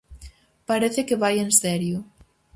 Parece que vai en serio.